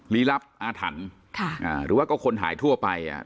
ลีลับอาถรรพ์ค่ะอ่าหรือว่าก็คนหายทั่วไปอ่ะ